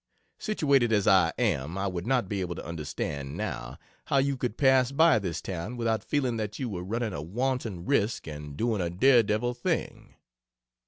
Situated as I am, I would not be able to understand, now, how you could pass by this town without feeling that you were running a wanton risk and doing a daredevil thing.